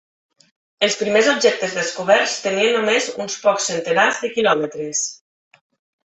Els primers objectes descoberts tenien només un pocs centenars de quilòmetres.